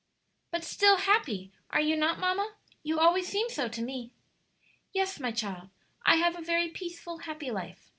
"But still happy; are you not, mamma? you always seem so to me." "Yes, my child; I have a very peaceful, happy life.